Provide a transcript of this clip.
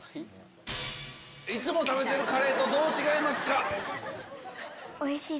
いつも食べてるカレーとどう違いますか？